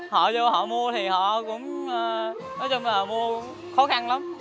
họ vô họ mua thì họ cũng nói chung là mua khó khăn lắm